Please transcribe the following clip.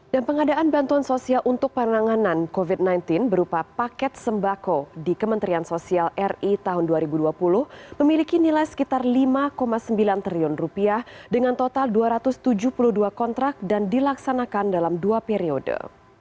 dan pengadaan bantuan sosial untuk penanganan covid sembilan belas berupa paket sembako di kementerian sosial ri tahun dua ribu dua puluh memiliki nilai sekitar lima sembilan triliun rupiah dengan total dua ratus tujuh puluh dua kontrak dan dilaksanakan dalam dua periode